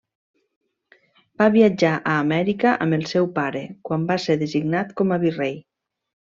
Va viatjar a Amèrica amb el seu pare, quan va ser designat com a virrei.